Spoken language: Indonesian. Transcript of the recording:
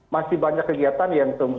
masih banyak kegiatan yang